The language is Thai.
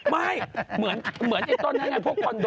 ไม่เหมือนไอ้ต้น